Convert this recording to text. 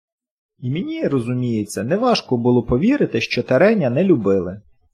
I мені, розуміється, не важко було повірити, що Тереня не любили.